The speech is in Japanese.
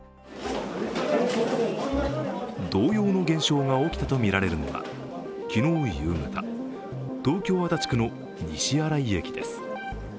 同様の現象が起きたとみられるのが昨日夕方、東京・足立区の西新井駅です。